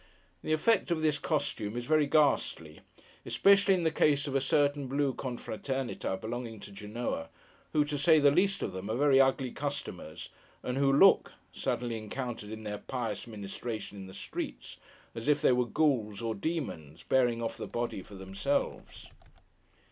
The effect of this costume is very ghastly: especially in the case of a certain Blue Confratérnita belonging to Genoa, who, to say the least of them, are very ugly customers, and who look—suddenly encountered in their pious ministration in the streets—as if they were Ghoules or Demons, bearing off the body for themselves.